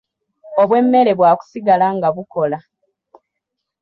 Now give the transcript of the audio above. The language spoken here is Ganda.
Obw’emmere bwakusigala nga bukola.